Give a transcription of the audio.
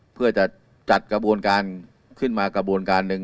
เพื่อจะจัดกระบวนการขึ้นมากระบวนการหนึ่ง